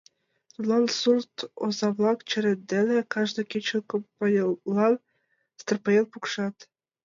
Тудлан сурт оза-влак черет дене кажне кечын команмелнам страпаен пукшат.